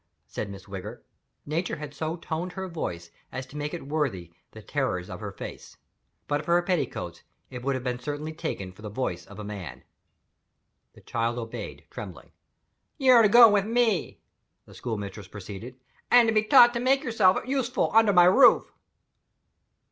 said Miss Wigger. Nature had so toned her voice as to make it worthy of the terrors of her face. But for her petticoats, it would have been certainly taken for the voice of a man. The child obeyed, trembling. "You are to go away with me," the school mistress proceeded, "and to be taught to make yourself useful under my roof."